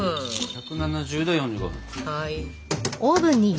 １７０℃４５分。